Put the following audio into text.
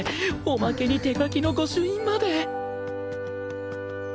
おまけに手書きの御朱印まで！